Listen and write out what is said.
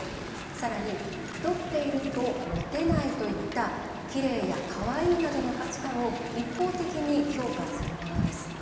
さらに「太っているとモテない」といった「きれい」や「かわいい」などの価値観を一方的に評価するものです。